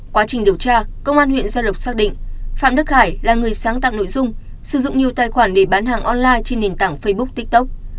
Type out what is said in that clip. quá trình điều tra công an huyện gia lộc xác định phạm đức khải là người sáng tạo nội dung sử dụng nhiều tài khoản để bán hàng online trên nền tảng facebook tiktok